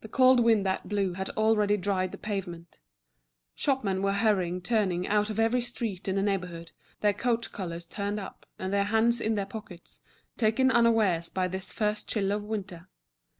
The cold wind that blew had already dried the pavement. Shopmen were hurriedly turning out of every street in the neighbourhood, their coat collars turned up, and their hands in their pockets, taken unawares by this first chill of winter.